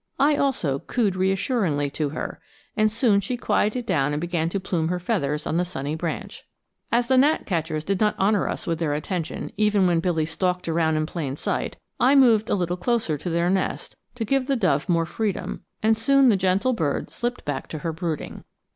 I, also, cooed reassuringly to her, and soon she quieted down and began to plume her feathers on the sunny branch. As the gnatcatchers did not honor us with their attention even when Billy stalked around in plain sight, I moved a little closer to their nest to give the dove more freedom; and soon the gentle bird slipped back to her brooding.